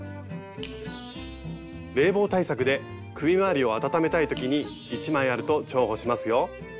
冷房対策で首回りを温めたい時に１枚あると重宝しますよ。